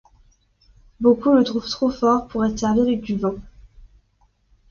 Beaucoup le trouvent trop fort pour être servi avec du vin.